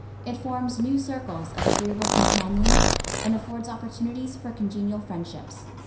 It forms new circles of agreeable companions, and affords opportunities for congenial friendships.